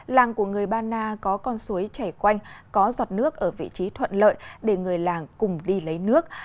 làng của người ba na có con suối chảy quanh có giọt nước ở vị trí thuận lợi để người làng cùng đi lấy nước